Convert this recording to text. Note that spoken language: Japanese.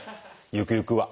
ゆくゆくは。